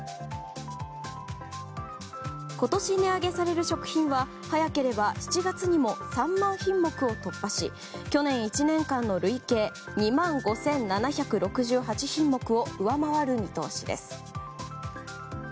今年、値上げされる食品は早ければ７月にも３万品目を突破し去年１年間の累計２万５７６８品目を上回る見通しです。